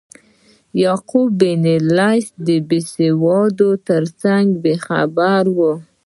یعقوب بن لیث د بیسوادۍ ترڅنګ بې خبره و.